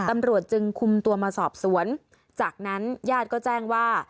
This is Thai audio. ตำรวจจึงคุมตัวมาสอบสวนจากนั้นญาติก็แจ้งว่า